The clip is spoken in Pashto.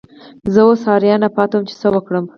زه اوس حیران پاتې وم چې څه وکړم.